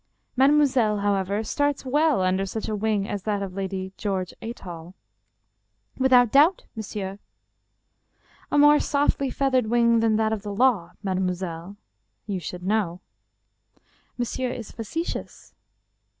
" Mademoiselle, however, starts well under such a wing as that of Lady George Athol." " Without doubt, monsieur." "A more softly feathered wing than that of the law, mademoiselle. You should know." " Monsieur is facetious."